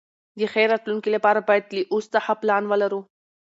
د ښې راتلونکي لپاره باید له اوس څخه پلان ولرو.